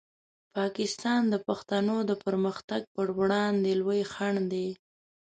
پاکستان د پښتنو د پرمختګ په وړاندې لوی خنډ دی.